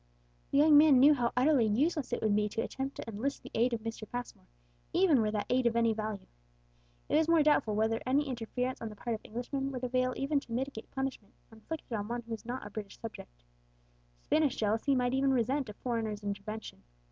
The young man knew how utterly useless it would be to attempt to enlist the aid of Mr. Passmore, even were that aid of any value. It was more than doubtful whether any interference on the part of Englishmen would avail even to mitigate punishment inflicted on one who was not a British subject. Spanish jealousy might even resent a foreigner's intervention.